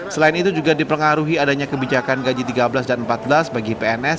selain itu juga dipengaruhi adanya kebijakan gaji tiga belas dan empat belas bagi pns